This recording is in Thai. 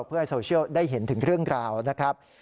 เพื่อให้โซเชียลได้เห็นถึงเรื่องราวนะครับ